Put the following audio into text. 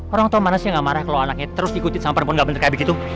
orang tua mana sih gak marah kalau anaknya terus diikuti sama perempuan gak bener kayak begitu